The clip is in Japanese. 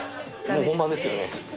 もう本番ですよね。